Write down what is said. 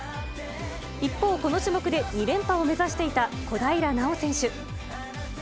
一方、この種目で２連覇を目指していた小平奈緒選手。